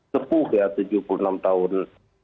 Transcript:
sepuh ya tujuh puluh enam tahun